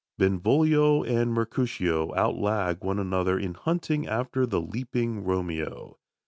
Benvolio and Mercutio outlag one another in hunting after the leaping Romeo.